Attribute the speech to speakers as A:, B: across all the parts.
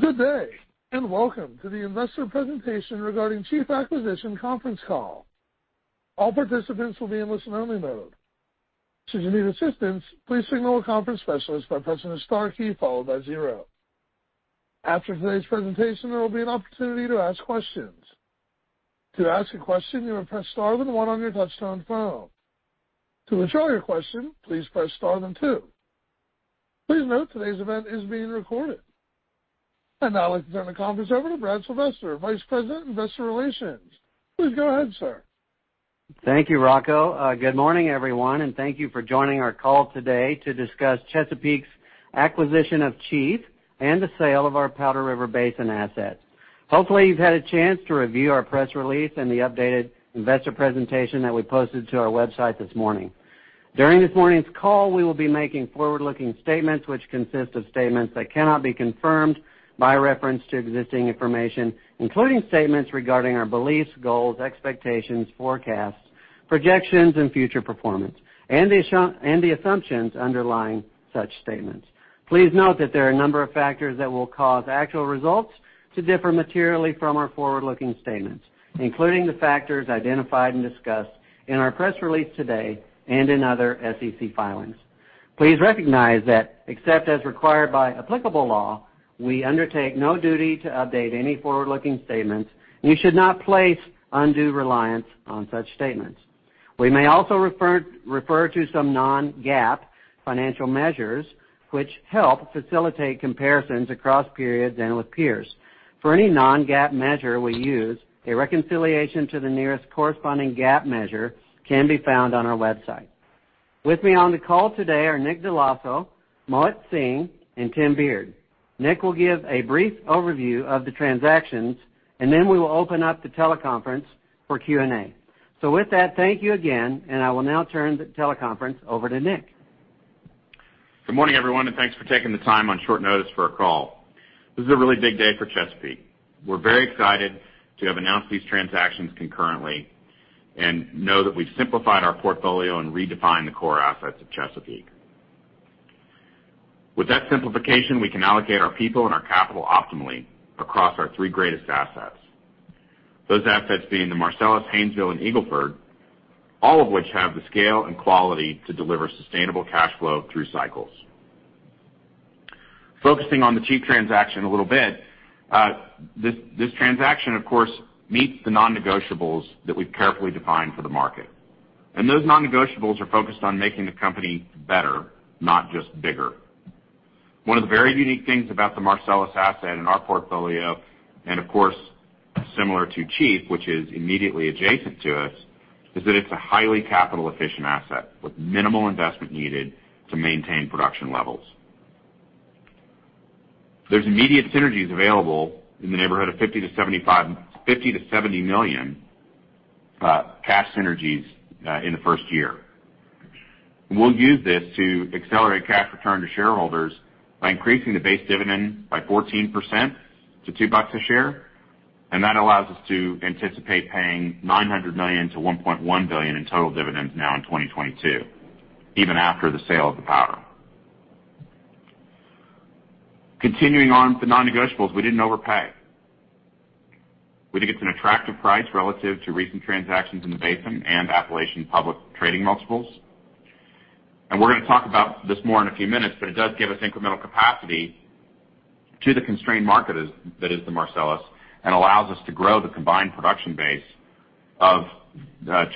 A: Good day, and welcome to the investor presentation regarding Chief Acquisition Conference Call. All participants will be in listen-only mode. Should you need assistance, please signal a conference specialist by pressing the star key followed by zero. After today's presentation, there will be an opportunity to ask questions. To ask a question, you will press star then one on your touchtone phone. To withdraw your question, please press star then two. Please note today's event is being recorded. I'd now like to turn the conference over to Brad Sylvester, Vice President, Investor Relations. Please go ahead, sir.
B: Thank you, Rocco. Good morning, everyone, and thank you for joining our call today to discuss Chesapeake's Acquisition of Chief and the Sale of our Powder River Basin Assets. Hopefully, you've had a chance to review our press release and the updated investor presentation that we posted to our website this morning. During this morning's call, we will be making forward-looking statements which consist of statements that cannot be confirmed by reference to existing information, including statements regarding our beliefs, goals, expectations, forecasts, projections, and future performance, and the assumptions underlying such statements. Please note that there are a number of factors that will cause actual results to differ materially from our forward-looking statements, including the factors identified and discussed in our press release today and in other SEC filings. Please recognize that except as required by applicable law, we undertake no duty to update any forward-looking statements, and you should not place undue reliance on such statements. We may also refer to some non-GAAP financial measures, which help facilitate comparisons across periods and with peers. For any non-GAAP measure we use, a reconciliation to the nearest corresponding GAAP measure can be found on our website. With me on the call today are Domenic Dell'Osso, Mohit Singh, and Tim Beard. Domenic will give a brief overview of the transactions, and then we will open up the teleconference for Q&A. With that, thank you again, and I will now turn the teleconference over to Domenic.
C: Good morning, everyone, and thanks for taking the time on short notice for a call. This is a really big day for Chesapeake. We're very excited to have announced these transactions concurrently and know that we've simplified our portfolio and redefined the core assets of Chesapeake. With that simplification, we can allocate our people and our capital optimally across our three greatest assets. Those assets being the Marcellus, Haynesville, and Eagle Ford, all of which have the scale and quality to deliver sustainable cash flow through cycles. Focusing on the Chief transaction a little bit, this transaction, of course, meets the non-negotiables that we've carefully defined for the market. Those non-negotiables are focused on making the company better, not just bigger. One of the very unique things about the Marcellus asset in our portfolio, and of course, similar to Chief, which is immediately adjacent to us, is that it's a highly capital-efficient asset with minimal investment needed to maintain production levels. There's immediate synergies available in the neighborhood of $50 million-$70 million cash synergies in the first year. We'll use this to accelerate cash return to shareholders by increasing the base dividend by 14% to $2 a share, and that allows us to anticipate paying $900 million-$1.1 billion in total dividends now in 2022, even after the sale of the Power. Continuing on with the non-negotiables, we didn't overpay. We think it's an attractive price relative to recent transactions in the basin and Appalachian public trading multiples. We're gonna talk about this more in a few minutes, but it does give us incremental capacity to the constrained market as that is the Marcellus and allows us to grow the combined production base of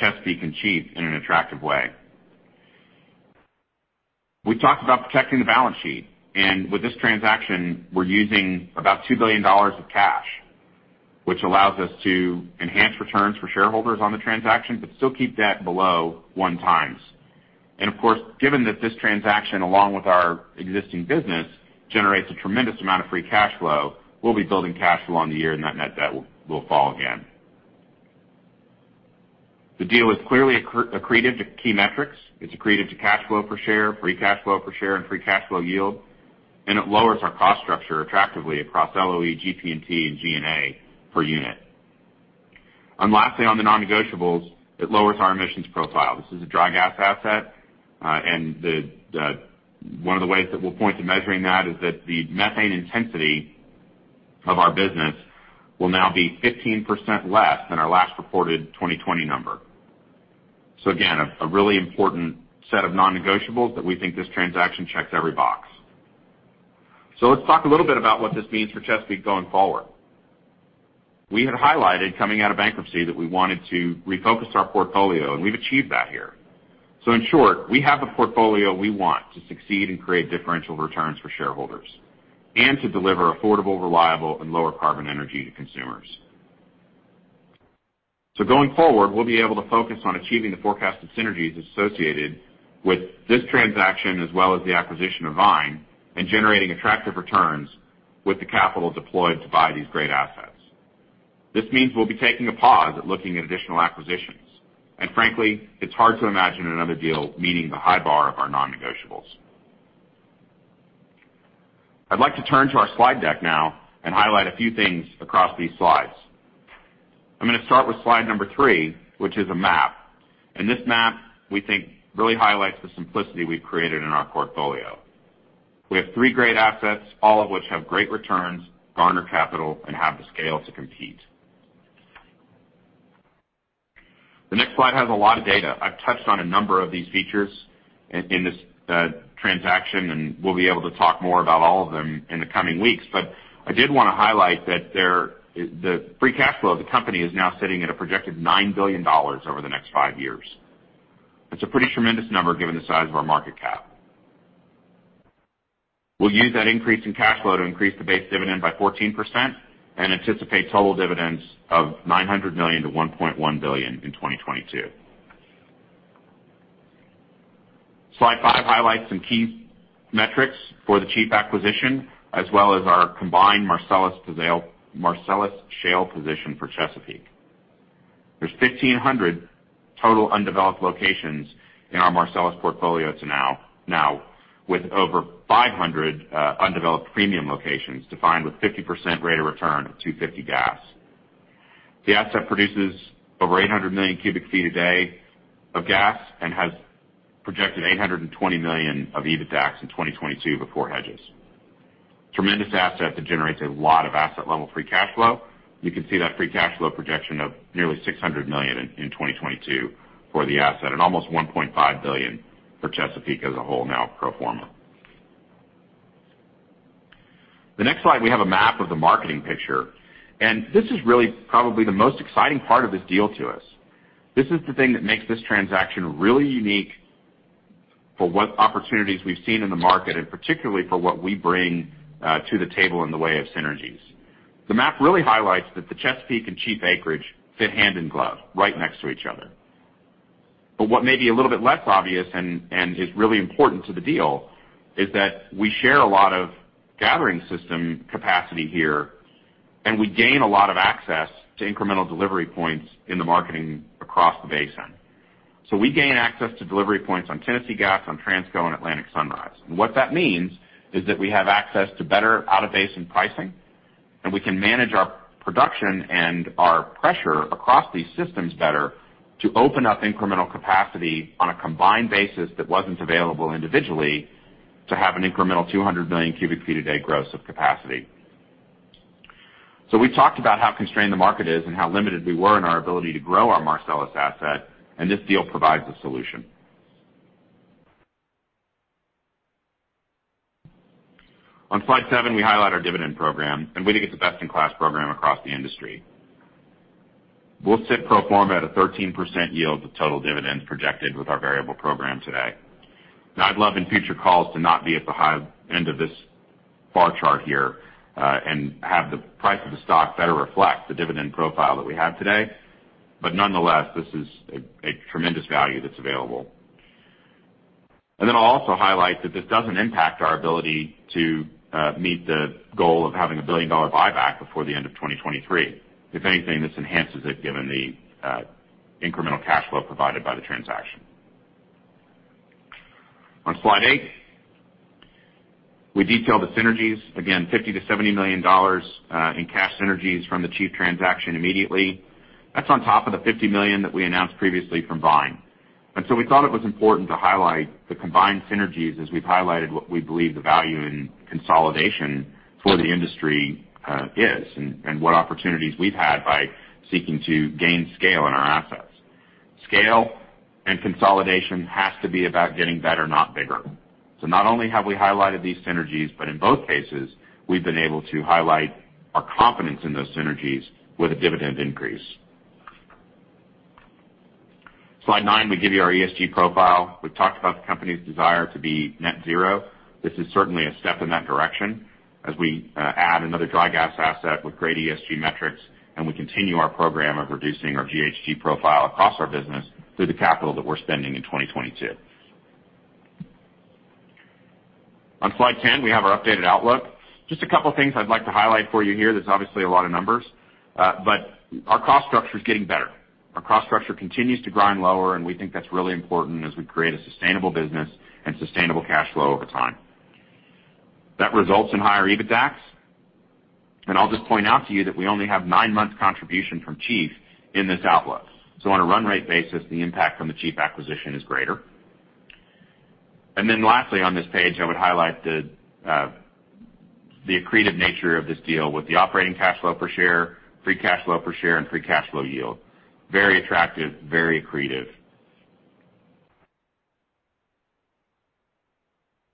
C: Chesapeake and Chief in an attractive way. We talked about protecting the balance sheet, and with this transaction, we're using about $2 billion of cash, which allows us to enhance returns for shareholders on the transaction, but still keep debt below one times. Of course, given that this transaction, along with our existing business, generates a tremendous amount of free cash flow, we'll be building cash flow on the year, and that net debt will fall again. The deal is clearly accreted to key metrics. It's accreted to cash flow per share, free cash flow per share, and free cash flow yield. It lowers our cost structure attractively across LOE, GP&T, and G&A per unit. Lastly, on the non-negotiables, it lowers our emissions profile. This is a dry gas asset, and one of the ways that we'll point to measuring that is that the methane intensity of our business will now be 15% less than our last reported 2020 number. Again, a really important set of non-negotiables that we think this transaction checks every box. Let's talk a little bit about what this means for Expand Energy going forward. We had highlighted coming out of bankruptcy that we wanted to refocus our portfolio, and we've achieved that here. In short, we have the portfolio we want to succeed and create differential returns for shareholders and to deliver affordable, reliable, and lower carbon energy to consumers. Going forward, we'll be able to focus on achieving the forecasted synergies associated with this transaction as well as the acquisition of Vine and generating attractive returns with the capital deployed to buy these great assets. This means we'll be taking a pause at looking at additional acquisitions. Frankly, it's hard to imagine another deal meeting the high bar of our non-negotiables. I'd like to turn to our slide deck now and highlight a few things across these slides. I'm gonna start with slide number three, which is a map. This map, we think, really highlights the simplicity we've created in our portfolio. We have three great assets, all of which have great returns, garner capital, and have the scale to compete. The next slide has a lot of data. I've touched on a number of these features in this transaction, and we'll be able to talk more about all of them in the coming weeks. I did wanna highlight that the free cash flow of the company is now sitting at a projected $9 billion over the next five years. That's a pretty tremendous number given the size of our market cap. We'll use that increase in cash flow to increase the base dividend by 14% and anticipate total dividends of $900 million-$1.1 billion in 2022. Slide 5 highlights some key metrics for the Chief acquisition, as well as our combined Marcellus Shale position for Chesapeake. There's 1,500 total undeveloped locations in our Marcellus portfolio now, with over 500 undeveloped premium locations defined with 50% rate of return of $2.50 gas. The asset produces over 800 million cubic feet a day of gas and has projected $820 million of EBITDAX in 2022 before hedges. Tremendous asset that generates a lot of asset-level free cash flow. You can see that free cash flow projection of nearly $600 million in 2022 for the asset, and almost $1.5 billion for Chesapeake as a whole now pro forma. The next slide, we have a map of the marketing picture, and this is really probably the most exciting part of this deal to us. This is the thing that makes this transaction really unique for what opportunities we've seen in the market and particularly for what we bring to the table in the way of synergies. The map really highlights that the Chesapeake and Chief acreage fit hand in glove right next to each other. What may be a little bit less obvious and is really important to the deal is that we share a lot of gathering system capacity here, and we gain a lot of access to incremental delivery points in the marketing across the basin. We gain access to delivery points on Tennessee Gas, on Transco, and Atlantic Sunrise. What that means is that we have access to better out-of-basin pricing, and we can manage our production and our pressure across these systems better to open up incremental capacity on a combined basis that wasn't available individually to have an incremental 200 million cubic feet a day gross of capacity. We talked about how constrained the market is and how limited we were in our ability to grow our Marcellus asset, and this deal provides a solution. On slide 7, we highlight our dividend program, and we think it's a best-in-class program across the industry. We'll sit pro forma at a 13% yield of total dividends projected with our variable program today. Now, I'd love in future calls to not be at the high end of this bar chart here, and have the price of the stock better reflect the dividend profile that we have today. Nonetheless, this is a tremendous value that's available. Then I'll also highlight that this doesn't impact our ability to meet the goal of having a billion-dollar buyback before the end of 2023. If anything, this enhances it given the incremental cash flow provided by the transaction. On Slide 8, we detail the synergies. Again, $50 million-$70 million in cash synergies from the Chief transaction immediately. That's on top of the $50 million that we announced previously from Vine. We thought it was important to highlight the combined synergies as we've highlighted what we believe the value in consolidation for the industry is, and what opportunities we've had by seeking to gain scale in our assets. Scale and consolidation has to be about getting better, not bigger. Not only have we highlighted these synergies, but in both cases, we've been able to highlight our confidence in those synergies with a dividend increase. Slide 9, we give you our ESG profile. We've talked about the company's desire to be net zero. This is certainly a step in that direction as we add another dry gas asset with great ESG metrics, and we continue our program of reducing our GHG profile across our business through the capital that we're spending in 2022. On slide 10, we have our updated outlook. Just a couple of things I'd like to highlight for you here. There's obviously a lot of numbers, but our cost structure is getting better. Our cost structure continues to grind lower, and we think that's really important as we create a sustainable business and sustainable cash flow over time. That results in higher EBITDAX. I'll just point out to you that we only have nine-month contribution from Chief in this outlook. On a run rate basis, the impact from the Chief acquisition is greater. Then lastly, on this page, I would highlight the accretive nature of this deal with the operating cash flow per share, free cash flow per share, and free cash flow yield. Very attractive, very accretive.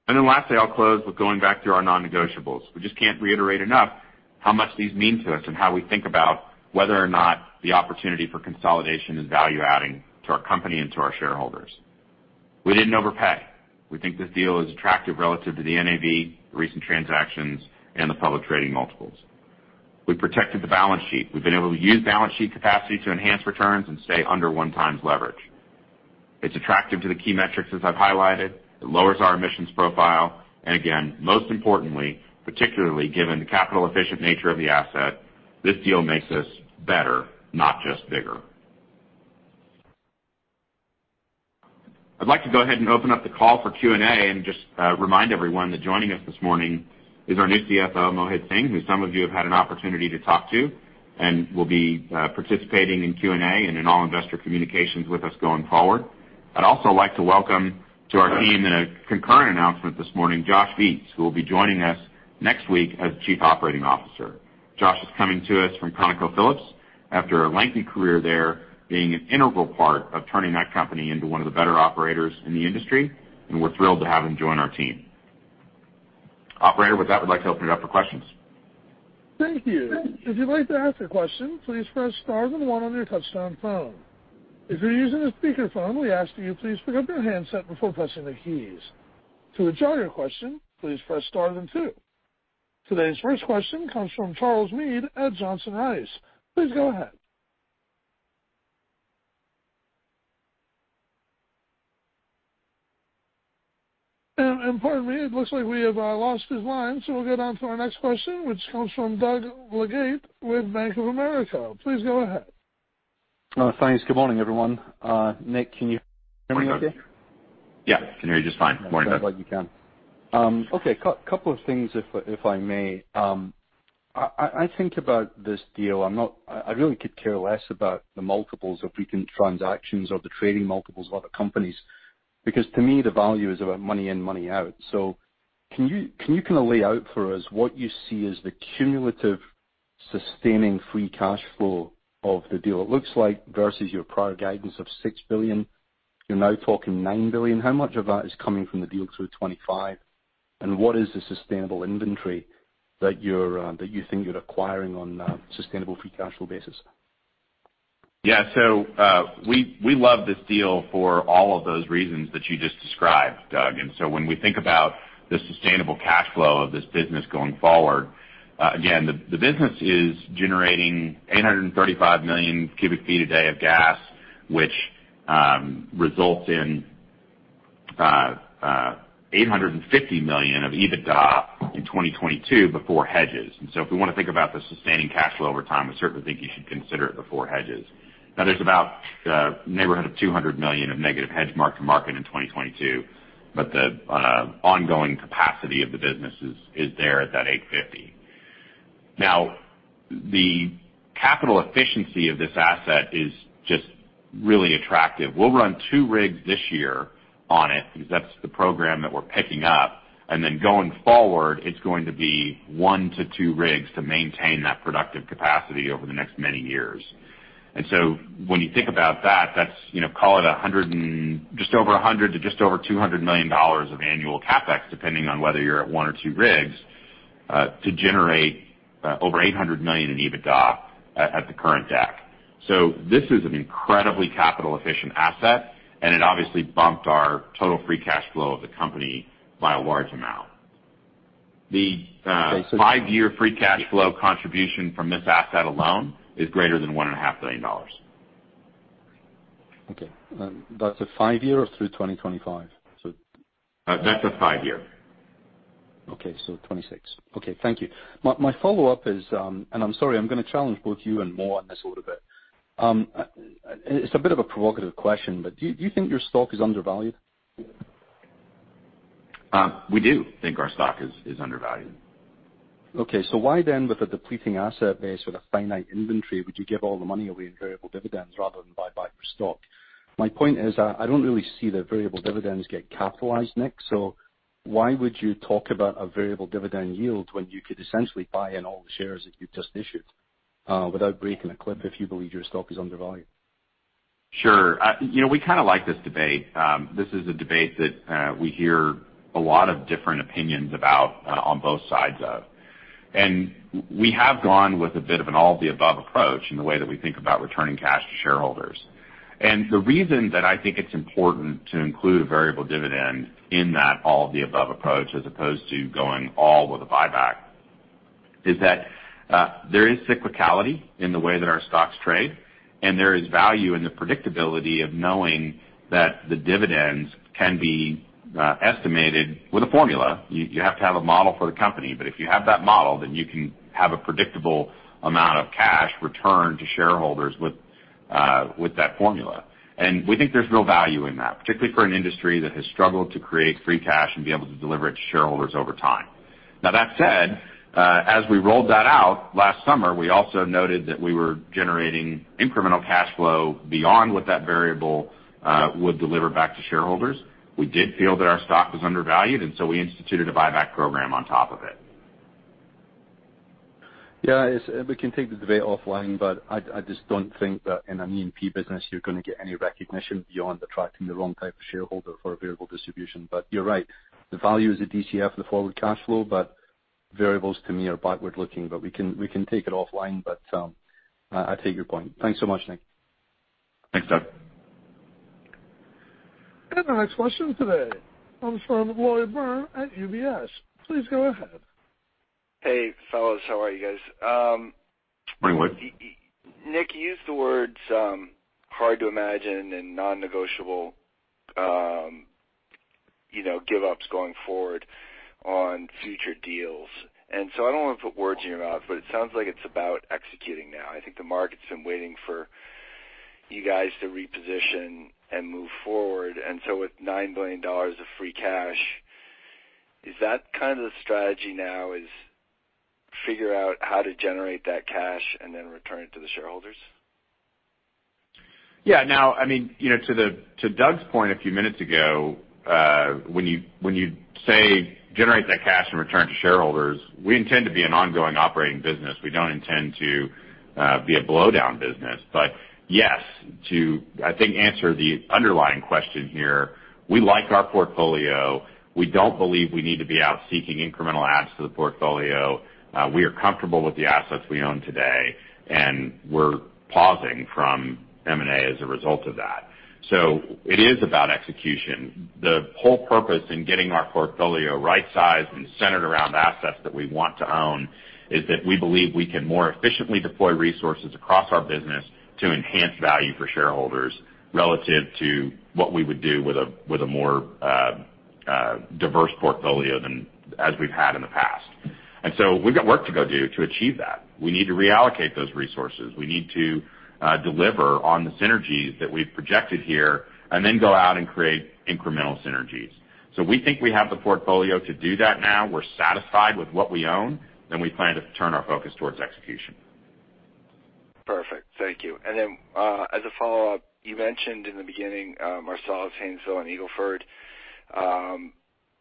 C: Then lastly, I'll close with going back to our non-negotiables. We just can't reiterate enough how much these mean to us and how we think about whether or not the opportunity for consolidation is value-adding to our company and to our shareholders. We didn't overpay. We think this deal is attractive relative to the NAV, recent transactions, and the public trading multiples. We protected the balance sheet. We've been able to use balance sheet capacity to enhance returns and stay under 1x leverage. It's attractive to the key metrics as I've highlighted. It lowers our emissions profile. Again, most importantly, particularly given the capital-efficient nature of the asset, this deal makes us better, not just bigger. I'd like to go ahead and open up the call for Q&A and just remind everyone that joining us this morning is our new CFO, Mohit Singh, who some of you have had an opportunity to talk to and will be participating in Q&A and in all investor communications with us going forward. I'd also like to welcome to our team in a concurrent announcement this morning, Josh Viets, who will be joining us next week as Chief Operating Officer. Josh is coming to us from ConocoPhillips after a lengthy career there, being an integral part of turning that company into one of the better operators in the industry, and we're thrilled to have him join our team. Operator, with that, I'd like to open it up for questions.
A: Thank you. If you'd like to ask a question, please press Star then one on your touchtone phone. If you're using a speakerphone, we ask that you please pick up your handset before pressing the keys. To withdraw your question, please press Star then two. Today's first question comes from Charles Meade at Johnson Rice. Please go ahead. Pardon me, it looks like we have lost his line, so we'll go down to our next question, which comes from Doug Leggate with Bank of America. Please go ahead.
D: Thanks. Good morning, everyone. Domenic, can you hear me okay?
C: Yeah. Can hear you just fine. Morning, Doug.
D: Sounds like you can. Okay. Couple of things if I may. I think about this deal. I'm not. I really could care less about the multiples of recent transactions or the trading multiples of other companies, because to me, the value is about money in, money out. Can you kinda lay out for us what you see as the cumulative sustaining free cash flow of the deal? It looks like versus your prior guidance of $6 billion, you're now talking $9 billion. How much of that is coming from the deal through 2025, and what is the sustainable inventory that you think you're acquiring on a sustainable free cash flow basis?
C: Yeah. We love this deal for all of those reasons that you just described, Doug. When we think about the sustainable cash flow of this business going forward, again, the business is generating 835 million cubic feet a day of gas, which results in $850 million of EBITDA in 2022 before hedges. If we wanna think about the sustaining cash flow over time, I certainly think you should consider it before hedges. Now, there's about neighborhood of $200 million of negative hedge mark-to-market in 2022, but the ongoing capacity of the business is there at that $850. Now, the capital efficiency of this asset is just really attractive. We'll run two rigs this year on it because that's the program that we're picking up. Going forward, it's going to be one to two rigs to maintain that productive capacity over the next many years. When you think about that's, you know, call it just over $100 million to just over $200 million of annual CapEx, depending on whether you're at one or two rigs, to generate over $800 million in EBITDA at the current deck. This is an incredibly capital-efficient asset, and it obviously bumped our total free cash flow of the company by a large amount. The five-year free cash flow contribution from this asset alone is greater than $1.5 billion.
D: Okay. That's a five year or through 2025?
C: That's a five year.
D: Okay. So 26. Okay, thank you. My follow-up is, I'm sorry, I'm gonna challenge both you and Mo on this a little bit. It's a bit of a provocative question, but do you think your stock is undervalued?
C: We do think our stock is undervalued.
D: Okay. Why then with a depleting asset base with a finite inventory, would you give all the money away in variable dividends rather than buy back your stock? My point is, I don't really see the variable dividends get capitalized, Domenic, so why would you talk about a variable dividend yield when you could essentially buy in all the shares that you've just issued, without breaking the cap if you believe your stock is undervalued?
C: Sure. You know, we kinda like this debate. This is a debate that we hear a lot of different opinions about on both sides of. We have gone with a bit of an all-of-the-above approach in the way that we think about returning cash to shareholders. The reason that I think it's important to include a variable dividend in that all-of-the-above approach as opposed to going all with a buyback is that there is cyclicality in the way that our stocks trade, and there is value in the predictability of knowing that the dividends can be estimated with a formula. You have to have a model for the company, but if you have that model, then you can have a predictable amount of cash returned to shareholders with that formula. We think there's real value in that, particularly for an industry that has struggled to create free cash and be able to deliver it to shareholders over time. Now, that said, as we rolled that out last summer, we also noted that we were generating incremental cash flow beyond what that variable would deliver back to shareholders. We did feel that our stock was undervalued, and so we instituted a buyback program on top of it.
D: Yeah, we can take the debate offline, but I just don't think that in an E&P business you're gonna get any recognition beyond attracting the wrong type of shareholder for a variable distribution. You're right. The value is the DCF, the forward cash flow, but variables to me are backward looking. We can take it offline, but I take your point. Thanks so much, Domenic.
C: Thanks, Doug.
A: The next question today comes from Lloyd Byrne at UBS. Please go ahead.
E: Hey, fellas. How are you guys?
C: Morning, Lloyd.
E: Domenic, you used the words, hard to imagine and non-negotiable. You know, give ups going forward on future deals. I don't wanna put words in your mouth, but it sounds like it's about executing now. I think the market's been waiting for you guys to reposition and move forward. With $9 billion of free cash, is that kind of the strategy now is figure out how to generate that cash and then return it to the shareholders?
C: Yeah. Now, I mean, you know, to Doug's point a few minutes ago, when you say generate that cash and return to shareholders, we intend to be an ongoing operating business. We don't intend to be a blowdown business. But yes, to, I think, answer the underlying question here, we like our portfolio. We don't believe we need to be out seeking incremental adds to the portfolio. We are comfortable with the assets we own today, and we're pausing from M&A as a result of that. It is about execution. The whole purpose in getting our portfolio right-sized and centered around assets that we want to own is that we believe we can more efficiently deploy resources across our business to enhance value for shareholders relative to what we would do with a more diverse portfolio than as we've had in the past. We've got work to go do to achieve that. We need to reallocate those resources. We need to deliver on the synergies that we've projected here and then go out and create incremental synergies. We think we have the portfolio to do that now. We're satisfied with what we own, and we plan to turn our focus towards execution.
E: Perfect. Thank you. As a follow-up, you mentioned in the beginning, Marcellus, Haynesville and Eagle Ford.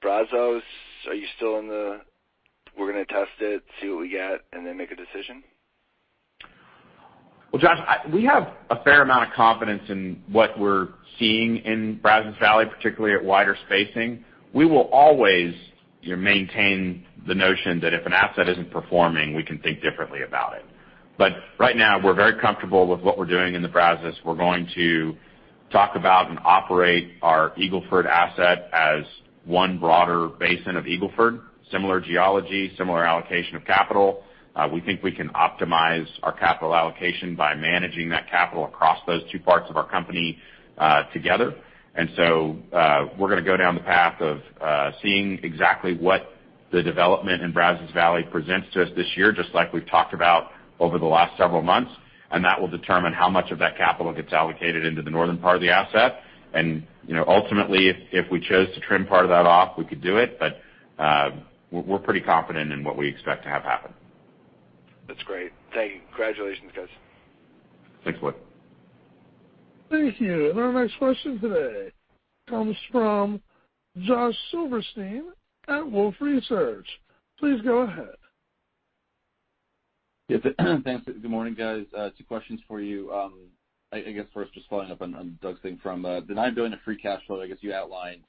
E: Brazos, are you still in the "we're gonna test it, see what we get and then make a decision"?
C: Well, Josh, we have a fair amount of confidence in what we're seeing in Brazos Valley, particularly at wider spacing. We will always, you know, maintain the notion that if an asset isn't performing, we can think differently about it. But right now, we're very comfortable with what we're doing in the Brazos. We're going to talk about and operate our Eagle Ford asset as one broader basin of Eagle Ford. Similar geology, similar allocation of capital. We think we can optimize our capital allocation by managing that capital across those two parts of our company, together. We're gonna go down the path of seeing exactly what the development in Brazos Valley presents to us this year, just like we've talked about over the last several months. That will determine how much of that capital gets allocated into the northern part of the asset. You know, ultimately, if we chose to trim part of that off, we could do it, but we're pretty confident in what we expect to have happen.
E: That's great. Thank you. Congratulations, guys.
C: Thanks, Will.
A: Thank you. Our next question today comes from Josh Silverstein at Wolfe Research. Please go ahead.
F: Thanks. Good morning, guys. Two questions for you. I guess first just following up on Doug's thing from the $9 billion of free cash flow. I guess you outlined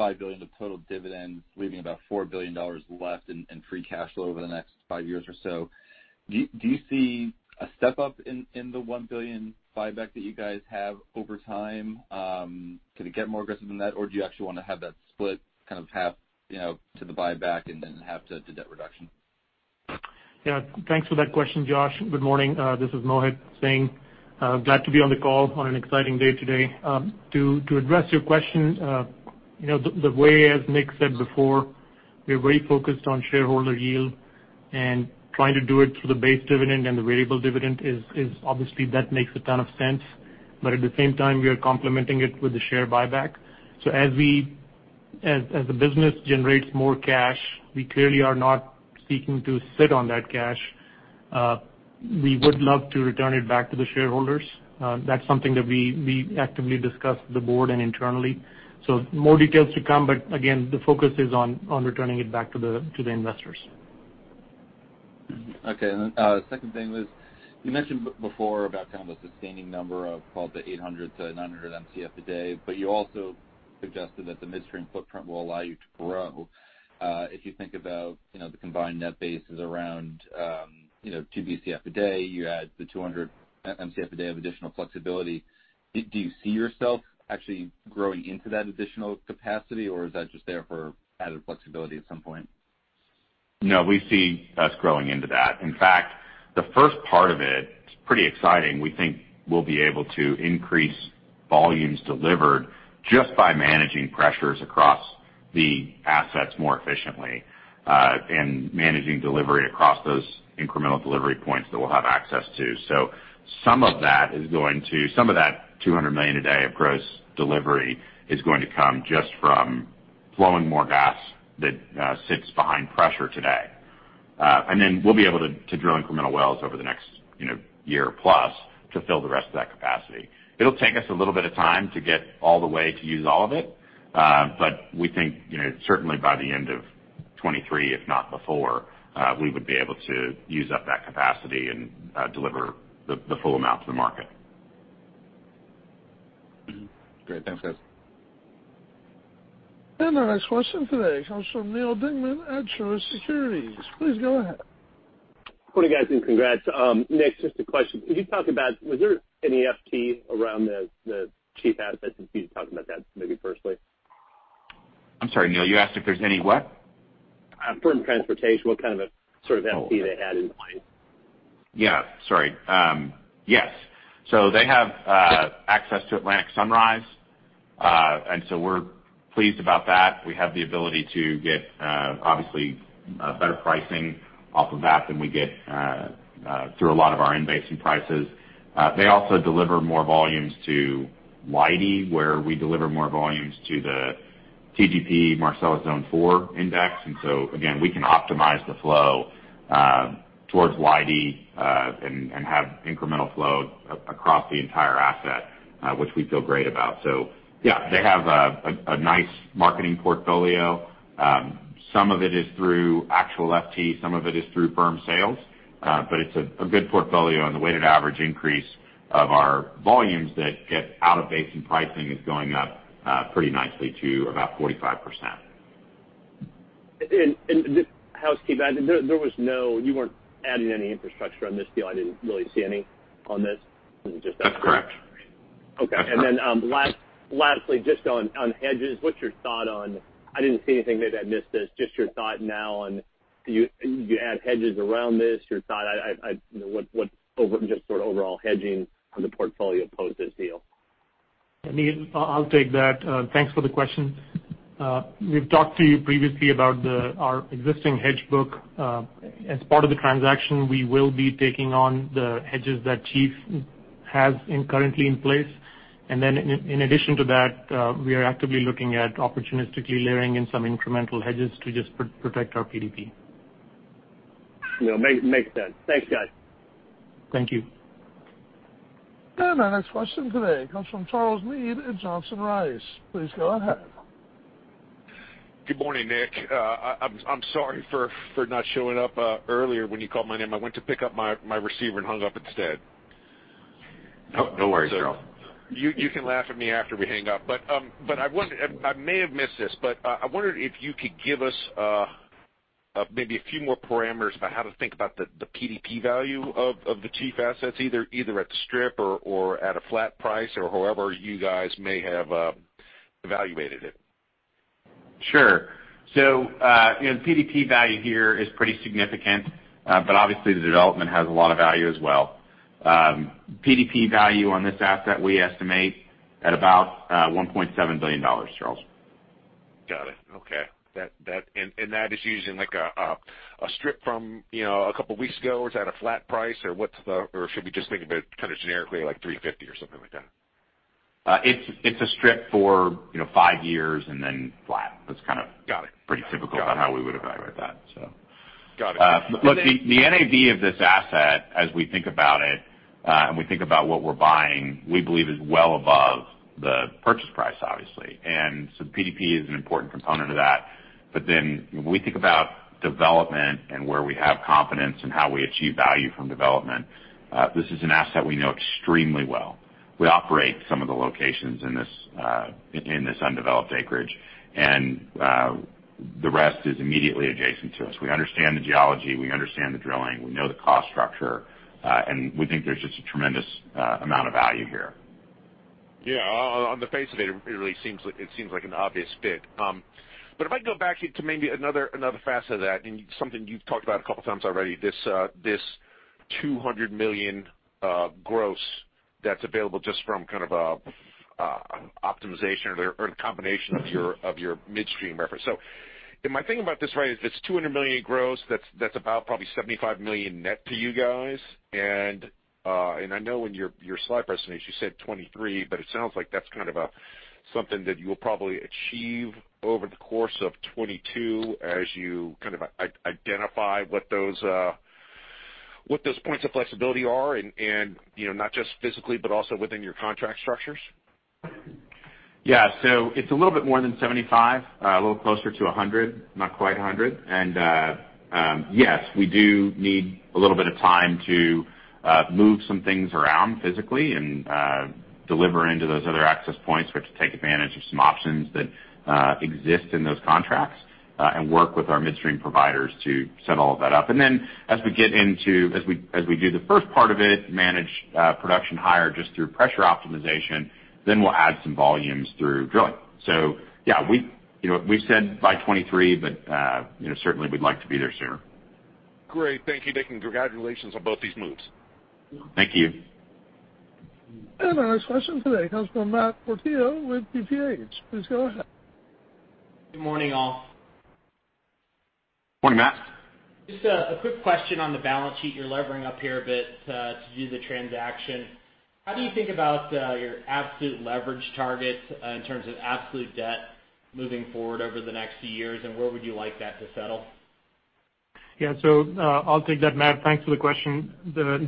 F: $5 billion of total dividends, leaving about $4 billion left in free cash flow over the next five years or so. Do you see a step up in the $1 billion buyback that you guys have over time? Could it get more aggressive than that, or do you actually wanna have that split kind of half, you know, to the buyback and then half to debt reduction?
G: Yeah. Thanks for that question, Josh. Good morning. This is Mohit Singh. Glad to be on the call on an exciting day today. To address your question, you know, the way, as Domenic said before, we are very focused on shareholder yield, and trying to do it through the base dividend and the variable dividend is obviously that makes a ton of sense. But at the same time, we are complementing it with the share buyback. As the business generates more cash, we clearly are not seeking to sit on that cash. We would love to return it back to the shareholders. That's something that we actively discuss with the board and internally. More details to come, but again, the focus is on returning it back to the investors.
F: Okay. Second thing was, you mentioned before about kind of the sustaining number of, called the 800-900 Mcf a day, but you also suggested that the midstream footprint will allow you to grow. If you think about, you know, the combined net bases around, you know, two Bcf a day, you add the 200 MMcfe a day of additional flexibility, do you see yourself actually growing into that additional capacity, or is that just there for added flexibility at some point?
C: No, we see us growing into that. In fact, the first part of it is pretty exciting. We think we'll be able to increase volumes delivered just by managing pressures across the assets more efficiently, and managing delivery across those incremental delivery points that we'll have access to. So some of that is going to come just from flowing more gas that sits behind pressure today. And then we'll be able to drill incremental wells over the next, you know, year plus to fill the rest of that capacity. It'll take us a little bit of time to get all the way to use all of it. We think, you know, certainly by the end of 2023, if not before, we would be able to use up that capacity and deliver the full amount to the market.
F: Great. Thanks, guys.
A: Our next question today comes from Neal Dingmann at Truist Securities. Please go ahead.
H: Morning, guys, and congrats. Domenic, just a question. Could you talk about was there any FT around the Chief assets? I see you talked about that maybe firstly.
C: I'm sorry, Neal, you asked if there's any what?
H: On firm transportation, what kind of a sort of FT they had in mind?
C: Yeah, sorry. Yes, they have access to Atlantic Sunrise. We're pleased about that. We have the ability to get, obviously, better pricing off of that than we get through a lot of our in-basin prices. They also deliver more volumes to Leidy, where we deliver more volumes to the TGP Marcellus Zn 4 index. We can optimize the flow towards Leidy and have incremental flow across the entire asset, which we feel great about. Yeah, they have a nice marketing portfolio. Some of it is through actual FT, some of it is through firm sales. But it's a good portfolio, and the weighted average increase of our volumes that get out of basin pricing is going up pretty nicely to about 45%.
H: Just how it's kept there. You weren't adding any infrastructure on this deal. I didn't really see any on this.
C: That's correct.
H: Okay. Then lastly, just on hedges, what's your thought? I didn't see anything, maybe I missed this, just your thought now on you add hedges around this, your thought. You know what, just sort of overall hedging on the portfolio post this deal.
G: Neal, I'll take that. Thanks for the question. We've talked to you previously about our existing hedge book. As part of the transaction, we will be taking on the hedges that Chief has currently in place. In addition to that, we are actively looking at opportunistically layering in some incremental hedges to just protect our PDP.
H: Yeah, makes sense. Thanks, guys.
G: Thank you.
A: Our next question today comes from Charles Meade at Johnson Rice. Please go ahead.
I: Good morning, Domenic. I'm sorry for not showing up earlier when you called my name. I went to pick up my receiver and hung up instead.
C: Oh, no worries, Charles.
I: You can laugh at me after we hang up. I may have missed this, but I wondered if you could give us maybe a few more parameters about how to think about the PDP value of the Chief assets, either at the strip or at a flat price or however you guys may have evaluated it.
C: Sure. You know, PDP value here is pretty significant, but obviously the development has a lot of value as well. PDP value on this asset we estimate at about $1.7 billion, Charles.
I: Got it. Okay. That is using like a strip from, you know, a couple weeks ago, or is that a flat price, or what's the? Or should we just think about it kind of generically at, like, $3.50 or something like that?
C: It's a strip for, you know, five years and then flat. That's kind of.
I: Got it.
C: pretty typical.
I: Got it.
C: on how we would evaluate that, so.
I: Got it.
C: Look, the NAV of this asset, as we think about it, and we think about what we're buying, we believe is well above the purchase price, obviously. PDP is an important component of that. When we think about development and where we have confidence and how we achieve value from development, this is an asset we know extremely well. We operate some of the locations in this, in this undeveloped acreage. The rest is immediately adjacent to us. We understand the geology. We understand the drilling. We know the cost structure. We think there's just a tremendous amount of value here.
I: Yeah. On the face of it really seems like an obvious fit. But if I go back to maybe another facet of that and something you've talked about a couple times already, this $200 million gross that's available just from kind of a optimization or the combination of your midstream reference. So am I thinking about this right, if it's $200 million gross, that's about probably $75 million net to you guys? And I know in your slide presentation you said $23 million, but it sounds like that's kind of a something that you will probably achieve over the course of 2022 as you kind of identify what those points of flexibility are and you know, not just physically, but also within your contract structures.
C: Yeah. It's a little bit more than 75, a little closer to 100, not quite 100. Yes, we do need a little bit of time to move some things around physically and deliver into those other access points. We have to take advantage of some options that exist in those contracts and work with our midstream providers to set all of that up. As we do the first part of it, manage production higher just through pressure optimization, then we'll add some volumes through drilling. Yeah, we, you know, we've said by 2023, but, you know, certainly we'd like to be there sooner.
I: Great. Thank you, Domenic, and congratulations on both these moves.
C: Thank you.
A: Our next question today comes from Matthew Portillo with TPH. Please go ahead.
J: Good morning, all.
C: Morning, Matt.
J: Just a quick question on the balance sheet. You're levering up here a bit to do the transaction. How do you think about your absolute leverage targets in terms of absolute debt moving forward over the next few years, and where would you like that to settle?
G: Yeah. I'll take that, Matt. Thanks for the question.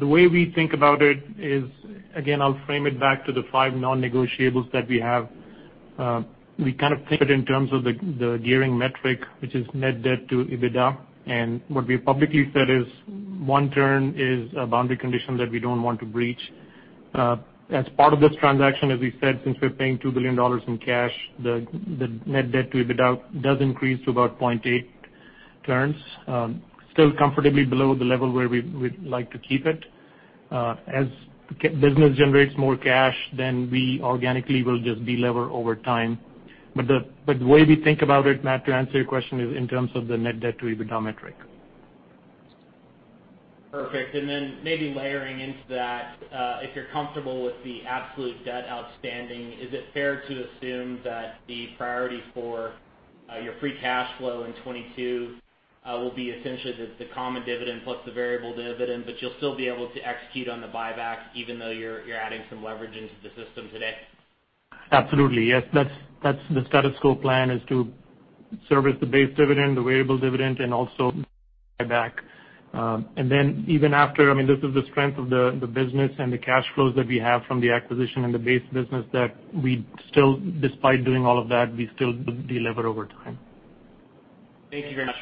G: The way we think about it is, again, I'll frame it back to the five non-negotiables that we have. We kind of think of it in terms of the gearing metric, which is net debt to EBITDA. What we publicly said is one turn is a boundary condition that we don't want to breach. As part of this transaction, as we said, since we're paying $2 billion in cash, the net debt to EBITDA does increase to about 0.8 turns, still comfortably below the level where we'd like to keep it. As business generates more cash, then we organically will just delever over time. The way we think about it, Matt, to answer your question, is in terms of the net debt to EBITDA metric.
J: Perfect. Maybe layering into that, if you're comfortable with the absolute debt outstanding, is it fair to assume that the priority for your free cash flow in 2022 will be essentially the common dividend plus the variable dividend, but you'll still be able to execute on the buyback even though you're adding some leverage into the system today?
G: Absolutely. Yes. That's the status quo plan is to service the base dividend, the variable dividend, and also buyback. Even after, I mean, this is the strength of the business and the cash flows that we have from the acquisition and the base business that we still, despite doing all of that, we still delever over time.
J: Thank you very much.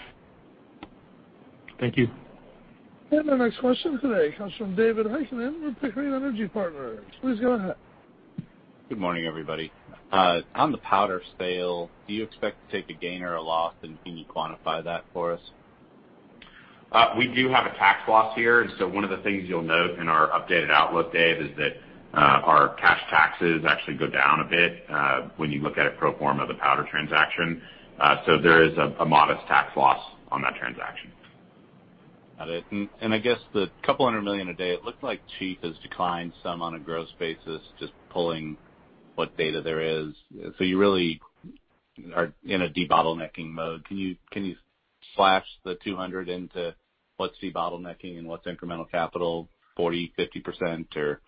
G: Thank you.
A: Our next question today comes from David Heikkinen with Pickering Energy Partners. Please go ahead.
K: Good morning, everybody. On the Powder sale, do you expect to take a gain or a loss, and can you quantify that for us?
C: We do have a tax loss here. One of the things you'll note in our updated outlook, Dave, is that our cash taxes actually go down a bit when you look at it pro forma the Powder transaction. There is a modest tax loss on that transaction.
K: Got it. I guess the 200 million a day, it looks like Chief has declined some on a gross basis, just pulling what data there is. You really are in a debottlenecking mode. Can you flash the 200 into what's debottlenecking and what's incremental capital, 40%-50%? Or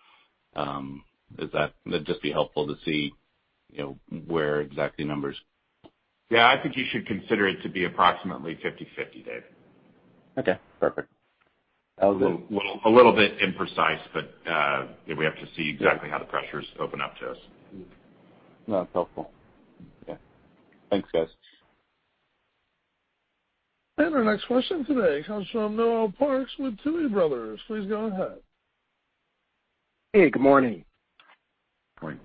K: is that. That'd just be helpful to see, you know, where exactly numbers.
C: Yeah, I think you should consider it to be approximately 50/50, Dave.
K: Okay, perfect. That was it.
C: Well, a little bit imprecise, but we have to see exactly how the pressures open up to us.
K: No, that's helpful. Yeah. Thanks, guys.
A: Our next question today comes from Noel Parks with Tuohy Brothers. Please go ahead.
L: Hey, good morning.
C: Good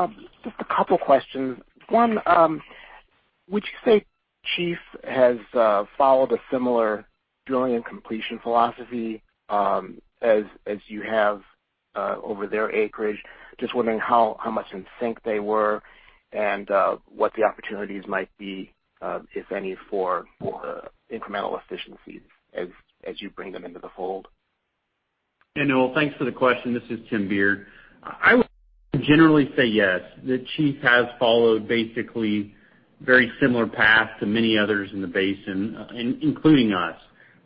C: morning.
L: Just a couple questions. One, would you say Chief has followed a similar drilling and completion philosophy as you have over their acreage? Just wondering how much in sync they were and what the opportunities might be, if any, for incremental efficiencies as you bring them into the fold.
M: Hey, Noel. Thanks for the question. This is Tim Beard. I would generally say yes, that Chief has followed basically very similar paths to many others in the basin, including us.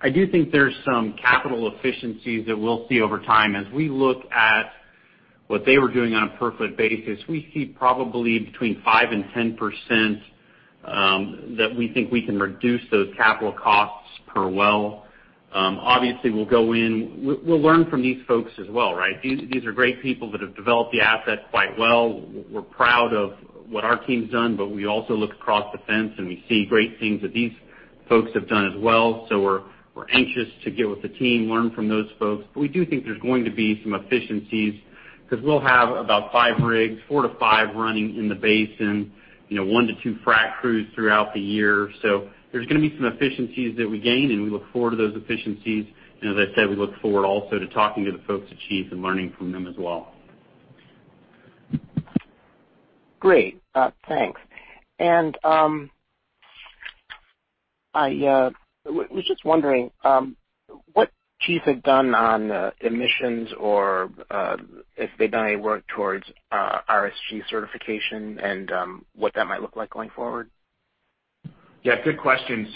M: I do think there's some capital efficiencies that we'll see over time. As we look at what they were doing on a per foot basis, we see probably between 5%-10% that we think we can reduce those capital costs per well. Obviously, we'll learn from these folks as well, right? These are great people that have developed the asset quite well. We're proud of what our team's done, but we also look across the fence and we see great things that these folks have done as well. We're anxious to get with the team, learn from those folks. We do think there's going to be some efficiencies because we'll have about five rigs, four to five running in the basin, you know, one to two frack crews throughout the year. There's gonna be some efficiencies that we gain, and we look forward to those efficiencies. As I said, we look forward also to talking to the folks at Chief and learning from them as well.
L: Great. Thanks. I was just wondering what Chief had done on emissions or if they've done any work towards RSG certification and what that might look like going forward.
C: Yeah, good question.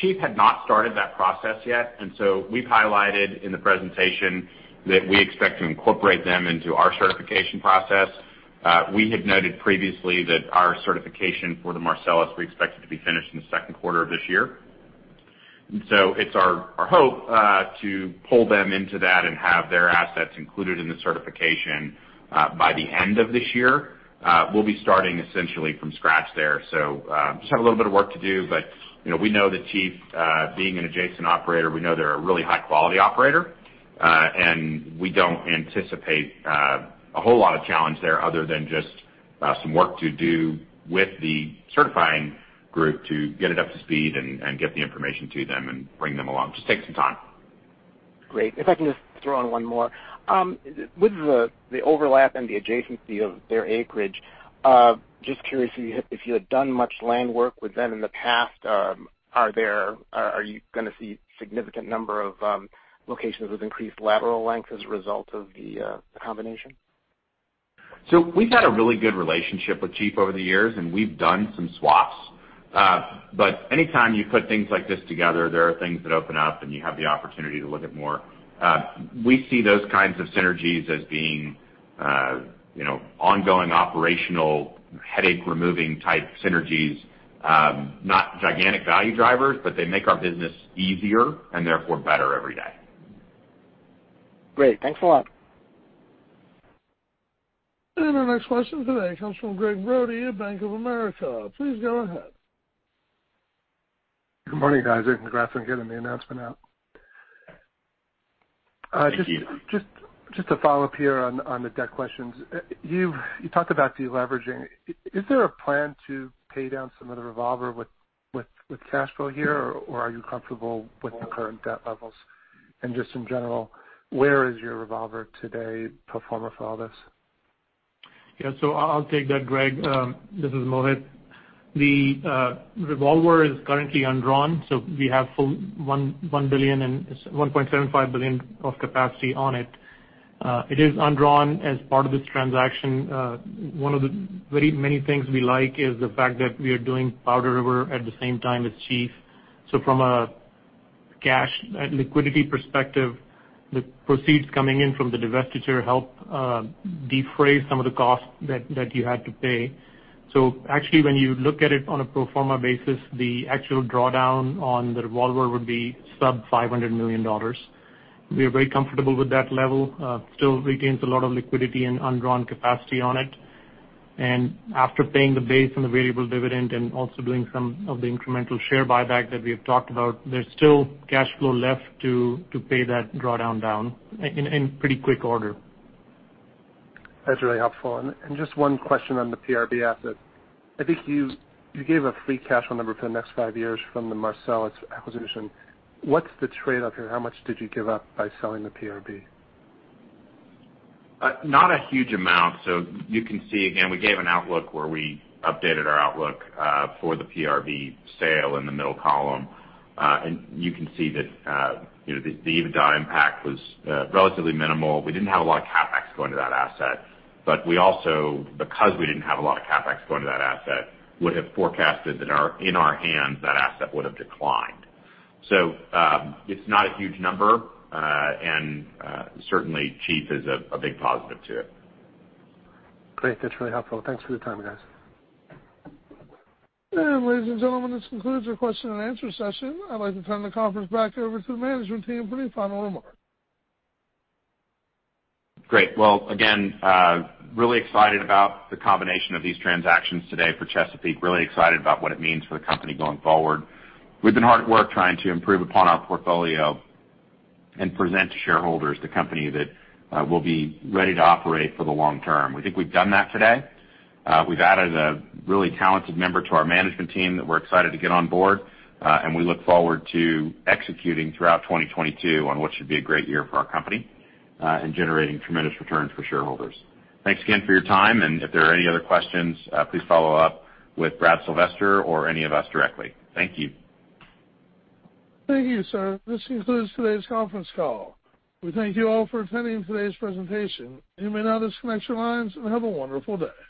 C: Chief had not started that process yet, and so we've highlighted in the presentation that we expect to incorporate them into our certification process. We had noted previously that our certification for the Marcellus, we expect it to be finished in the second quarter of this year. It's our hope to pull them into that and have their assets included in the certification by the end of this year. We'll be starting essentially from scratch there, so just have a little bit of work to do. You know, we know that Chief, being an adjacent operator, we know they're a really high-quality operator. We don't anticipate a whole lot of challenge there other than just some work to do with the certifying group to get it up to speed and get the information to them and bring them along. Just take some time.
L: Great. If I can just throw in one more. With the overlap and the adjacency of their acreage, just curious if you had done much land work with them in the past. Are you gonna see significant number of locations with increased lateral length as a result of the combination?
C: We've had a really good relationship with Chief over the years, and we've done some swaps. Anytime you put things like this together, there are things that open up and you have the opportunity to look at more. We see those kinds of synergies as being, you know, ongoing operational headache-removing type synergies. Not gigantic value drivers, but they make our business easier and therefore better every day.
L: Great. Thanks a lot.
A: Our next question today comes from Gregg Brody at Bank of America. Please go ahead.
N: Good morning, guys. Thanks for getting the announcement out. Just a follow-up here on the debt questions. You talked about de-leveraging. Is there a plan to pay down some of the revolver with cash flow here, or are you comfortable with the current debt levels? Just in general, where is your revolver today pro forma for all this?
G: Yeah. I'll take that, Greg. This is Mohit. The revolver is currently undrawn, so we have full $1 billion and $1.75 billion of capacity on it. It is undrawn as part of this transaction. One of the very many things we like is the fact that we are doing Powder River at the same time as Chief. From a cash and liquidity perspective, the proceeds coming in from the divestiture help defray some of the costs that you had to pay. Actually, when you look at it on a pro forma basis, the actual drawdown on the revolver would be sub $500 million. We are very comfortable with that level. It still retains a lot of liquidity and undrawn capacity on it. after paying the base and the variable dividend and also doing some of the incremental share buyback that we have talked about, there's still cash flow left to pay that drawdown down in pretty quick order.
N: That's really helpful. Just one question on the PRB asset. I think you gave a free cash flow number for the next five years from the Marcellus acquisition. What's the trade-off here? How much did you give up by selling the PRB?
C: Not a huge amount. You can see again, we gave an outlook where we updated our outlook for the PRB sale in the middle column. You can see that, you know, the EBITDA impact was relatively minimal. We didn't have a lot of CapEx going to that asset, but we also, because we didn't have a lot of CapEx going to that asset, would have forecasted that in our hands, that asset would have declined. It's not a huge number, and certainly Chief is a big positive too.
N: Great. That's really helpful. Thanks for your time, guys.
A: Ladies and gentlemen, this concludes our question and answer session. I'd like to turn the conference back over to the management team for any final remarks.
C: Great. Well, again, really excited about the combination of these transactions today for Chesapeake. Really excited about what it means for the company going forward. We've been hard at work trying to improve upon our portfolio and present to shareholders the company that will be ready to operate for the long term. We think we've done that today. We've added a really talented member to our management team that we're excited to get on board, and we look forward to executing throughout 2022 on what should be a great year for our company, and generating tremendous returns for shareholders. Thanks again for your time, and if there are any other questions, please follow up with Brad Sylvester or any of us directly. Thank you.
A: Thank you, sir. This concludes today's conference call. We thank you all for attending today's presentation. You may now disconnect your lines, and have a wonderful day.